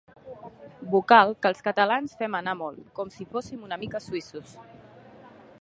Vocal que els catalans fem anar molt, com si fóssim una mica suïssos.